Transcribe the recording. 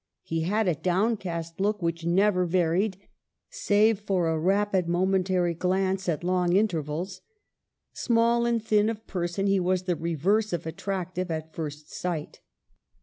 He had a downcast look, which never varied, save for a rapid momentary glance at long intervals. Small and thin of person, he was the reverse of attractive at first sight."